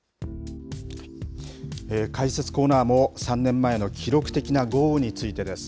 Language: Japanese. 解説コーナーも３年前の記録的な豪雨についてです。